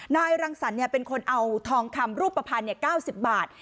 นายรังสรเนี้ยเป็นคนเอาทองคำรูปประพันธ์เนี้ยเก้าสิบบาท